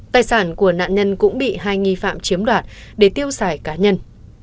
tài sản của nạn nhân cũng bị hai nghi phạm chiếm đoạt để tiêu xài cá nhân